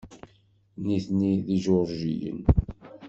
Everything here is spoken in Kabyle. Nitni d Ijuṛjiyen.